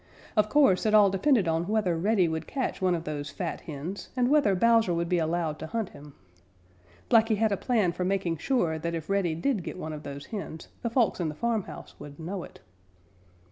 Of course, it all depended on whether Reddy would catch one of those fat hens and whether Bowser would be allowed to hunt him. Blacky had a plan for making sure that if Reddy did get one of those hens the folks in the farmhouse would know it.